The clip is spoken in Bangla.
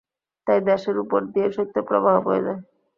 তাই দেশের উপর দিয়ে শৈতপ্রবাহ বয়ে যায়।